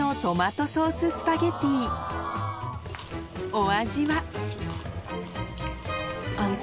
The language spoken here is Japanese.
お味は？